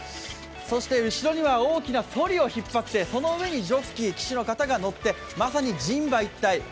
後ろには大きなそりを引っ張って、その上にジョッキー、騎手の方が乗って、まさに人馬一体。